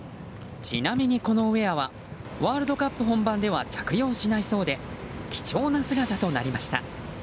ちなみに、このウェアはワールドカップ本番では着用しないそうで貴重な姿となりました。